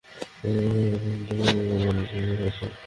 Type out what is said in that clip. বেলা তিনটা থেকে চারবার এবং রাতে দুই থেকে তিনবার লোডশেডিং হয়েছে।